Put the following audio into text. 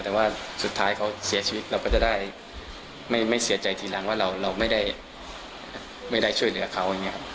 แต่ว่าสุดท้ายเขาเสียชีวิตเราก็จะได้ไม่เสียใจทีหลังว่าเราไม่ได้ช่วยเหลือเขาอย่างนี้ครับ